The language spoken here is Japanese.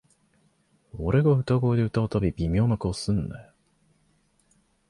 俺が裏声で歌うたび、微妙な顔すんなよ